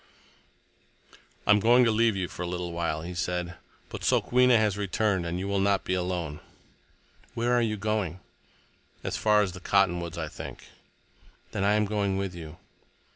"I am going to leave you for a little while," he said. "But Sokwenna has returned, and you will not be alone." "Where are you going?" "As far as the cottonwoods, I think." "Then I am going with you."